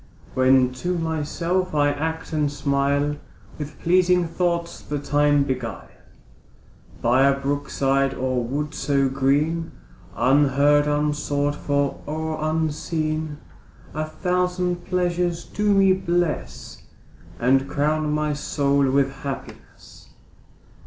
When to myself I act and smile, With pleasing thoughts the time beguile, By a brook side or wood so green, Unheard, unsought for, or unseen, A thousand pleasures do me bless, And crown my soul with happiness.